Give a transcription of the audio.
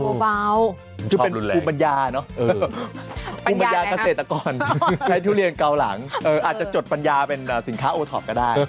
จะเป็นภูมิปัญญาเนอะภูมิปัญญาเกษตรกรใช้ทุเรียนเกาหลังอาจจะจดปัญญาเป็นสินค้าโอท็อปก็ได้